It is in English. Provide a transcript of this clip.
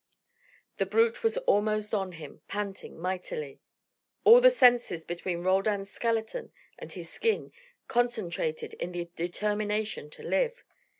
The brute was almost on him, panting mightily. All the senses between Roldan's skeleton and his skin concentrated in the determination to live.